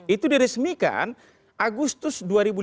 itu diresmikan agustus dua ribu lima belas